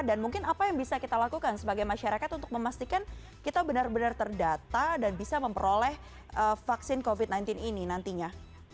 dan mungkin apa yang bisa kita lakukan sebagai masyarakat untuk memastikan kita benar benar terdata dan bisa memperoleh vaksin covid sembilan belas ini nantinya